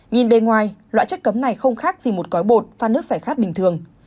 nhìn bên ngoài loại chất cấm này không khác gì một gói bột pha nước sẻ khát bình thường